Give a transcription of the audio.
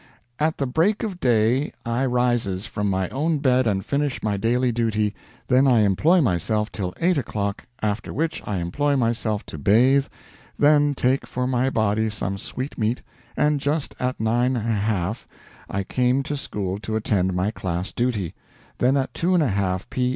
At the break of day I rises from my own bed and finish my daily duty, then I employ myself till 8 o'clock, after which I employ myself to bathe, then take for my body some sweet meat, and just at 9 1/2 I came to school to attend my class duty, then at 2 1/2 P.